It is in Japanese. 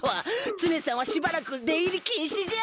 ツネさんはしばらく出入りきんしじゃ！